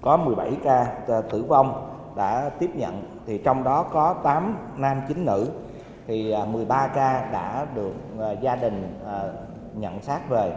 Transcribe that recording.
có một mươi bảy ca tử vong đã tiếp nhận trong đó có tám nam chín nữ một mươi ba ca đã được gia đình nhận sát về